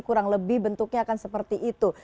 kurang lebih bentuknya akan seperti itu